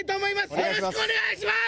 よろしくお願いします！